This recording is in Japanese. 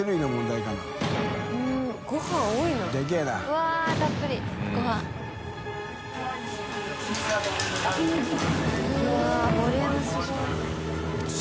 うわっボリュームすごい戸次）